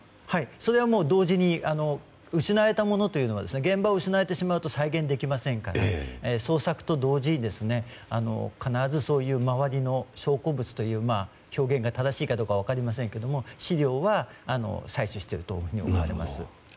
それは同時に失われたものというのは現場が失われてしまうと再現できませんから捜索と同時に必ずそういう周りの証拠物という表現が正しいかどうかは分かりませんけれども資料は採取していると思います。